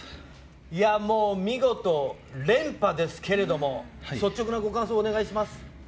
見事、連覇ですけれども、率直なご感想をお願いします。